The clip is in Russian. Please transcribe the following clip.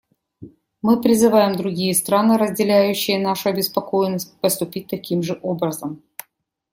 Мы призываем другие страны, разделяющие нашу обеспокоенность, поступить таким же образом.